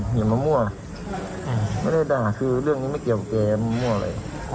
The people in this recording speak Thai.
อย่ามามั่วไม่ได้ด่าคือเรื่องนี้ไม่เกี่ยวกับแกมะมั่วเลย